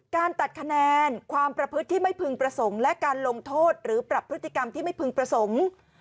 การตัดคะแนนความประพฤติที่ไม่พึงประสงค์และการลงโทษหรือปรับพฤติกรรมที่ไม่พึงประสงค์